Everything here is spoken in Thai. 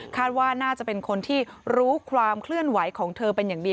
ว่าน่าจะเป็นคนที่รู้ความเคลื่อนไหวของเธอเป็นอย่างดี